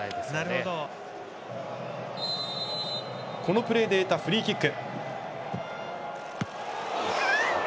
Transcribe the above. このプレーで得たフリーキック。